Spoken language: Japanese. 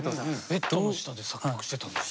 ベッドの下で作曲してたんですか？